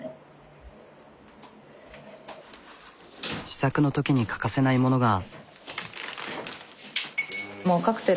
試作のときに欠かせないものが。